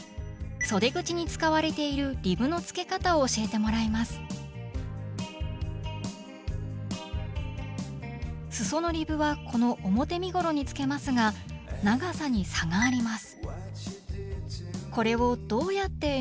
そで口に使われているリブのつけ方を教えてもらいますすそのリブはこの表身ごろにつけますが長さに差があります。